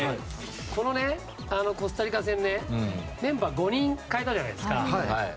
このコスタリカ戦メンバー５人代えたじゃないですか。